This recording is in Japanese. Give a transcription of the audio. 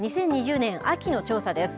２０２０年秋の調査です。